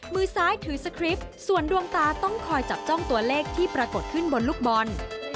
มือซ้ายถือสคริปต์ส่วนดวงตาต้องคอยจับจ้องตัวเลขที่ปรากฏขึ้นบนลูกบอล